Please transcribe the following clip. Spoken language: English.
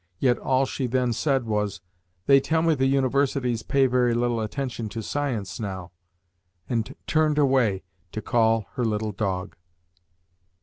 Yet all she then said was, "They tell me the Universities pay very little attention to science now," and turned away to call her little dog.